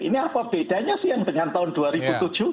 ini apa bedanya sih yang dengan tahun dua ribu tujuh